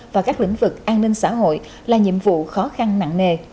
và các lĩnh vực an ninh xã hội là nhiệm vụ khó khăn nặng nề